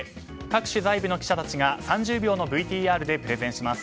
各取材部の記者たちが３０秒のＶＴＲでプレゼンします。